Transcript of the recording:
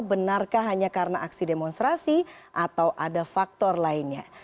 benarkah hanya karena aksi demonstrasi atau ada faktor lainnya